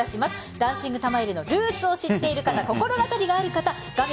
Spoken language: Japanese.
ダンシング玉入れのルーツを知っている方心当たりがある方画面